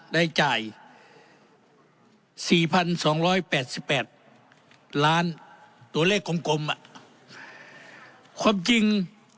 ได้จ่ายสี่พันสองร้อยแปดสิบแปดล้านตัวเลขกลมกลมอ่ะความจริง